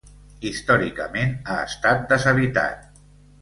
Històricament ha estat deshabitat.